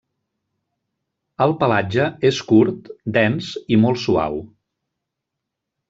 El pelatge és curt, dens i molt suau.